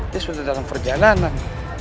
dia sudah dalam perjalanan